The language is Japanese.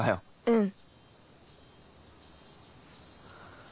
うん。